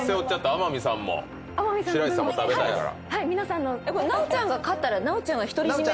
天海さんも白石さんも食べたいから。